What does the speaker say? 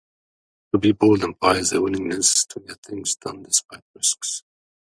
To be bold implies a willingness to get things done despite risks.